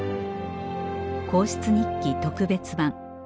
『皇室日記特別版』